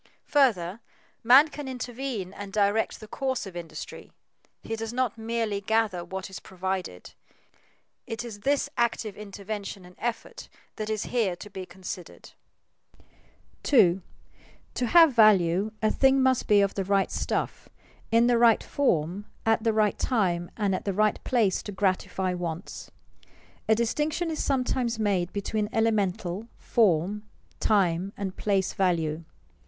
Further, man can intervene and direct the course of industry; he does not merely gather what is provided. It is this active intervention and effort that is here to be considered. [Sidenote: The four essential characteristics of value] 2. _To have value, a thing must be of the right stuff, in the right form, at the right time, and at the right place to gratify wants._ A distinction is sometimes made between elemental, form, time, and place value.